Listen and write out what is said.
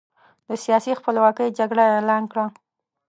د سیاسي خپلواکۍ جګړه اعلان کړه.